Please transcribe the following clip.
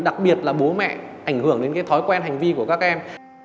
đặc biệt là bố mẹ ảnh hưởng đến cái thói quen hành vi của các em